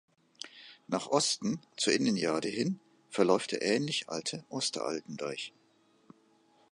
Nach Osten zur Innenjade hin verläuft der ähnlich alte Osteralten-Deich.